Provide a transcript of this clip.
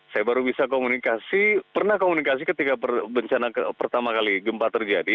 saya baru bisa komunikasi pernah komunikasi ketika bencana pertama kali gempa terjadi